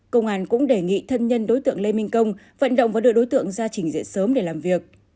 công an cũng đề nghị thân nhân đối tượng lê minh công vận động và đưa đối tượng ra trình diện sớm để làm việc